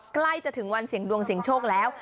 ใกล้จะถึงวันเสียงดวงเสียงโชคแล้ว